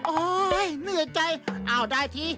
เหนื่อยใจอ้าวได้ที